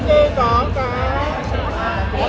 พี่ดอยครับ